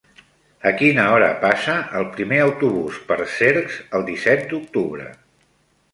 A quina hora passa el primer autobús per Cercs el disset d'octubre?